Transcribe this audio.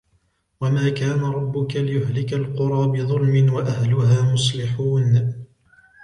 وَمَا كَانَ رَبُّكَ لِيُهْلِكَ الْقُرَى بِظُلْمٍ وَأَهْلُهَا مُصْلِحُونَ